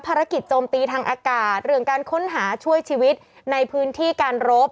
โจมตีทางอากาศเรื่องการค้นหาช่วยชีวิตในพื้นที่การรบ